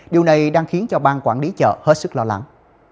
điều này đang khiến cho bang quản lý chợ hết sức lo lắng